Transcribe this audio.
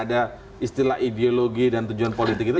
ada istilah ideologi dan tujuan politik itu